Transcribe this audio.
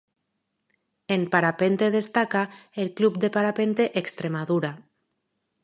En parapente destaca el Club de Parapente Extremadura.